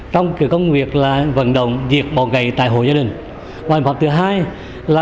trong cái công việc là